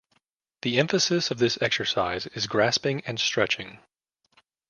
The emphasis of this exercise is grasping and stretching.